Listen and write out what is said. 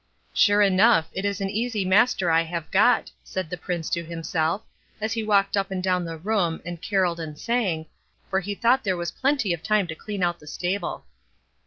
"Sure enough, it is an easy master I have got", said the Prince to himself, as he walked up and down the room, and carolled and sang, for he thought there was plenty of time to clean out the stable.